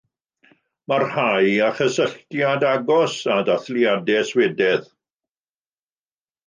Mae rhai â chysylltiad agos â dathliadau Swedaidd.